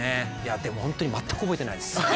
でも全く覚えてないです。